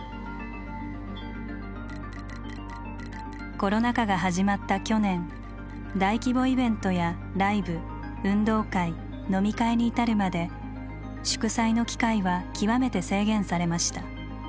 コロナ禍が始まった去年大規模イベントやライブ運動会飲み会に至るまで「祝祭」の機会は極めて制限されました。